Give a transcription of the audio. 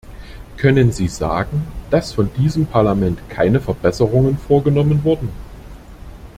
Können Sie sagen, dass von diesem Parlament keine Verbesserungen vorgenommen wurden?